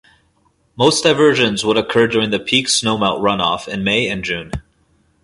Most diversions would occur during the peak snow melt runoff in May and June.